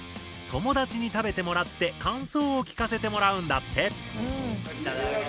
友達に食べてもらって感想を聞かせてもらうんだって。